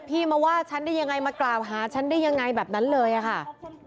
มาว่าฉันได้ยังไงมากล่าวหาฉันได้ยังไงแบบนั้นเลยอะค่ะ